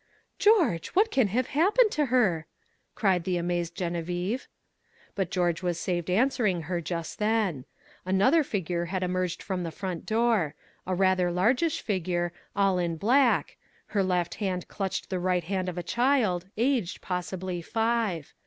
"George, what can have happened to her?" cried the amazed Geneviève. But George was saved answering her just then. Another figure had emerged from the front door a rather largish figure, all in black her left hand clutching the right hand of a child, aged, possibly, five.